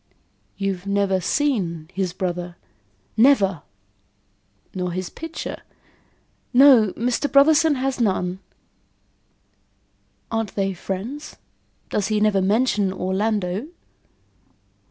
"You've never seen his brother?" "Never." "Nor his picture?" "No, Mr. Brotherson has none." "Aren't they friends? Does he never mention Orlando?"